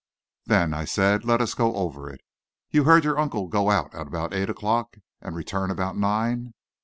"Then," I said, "let us go over it. You heard your uncle go out at about eight o'clock and return about nine?"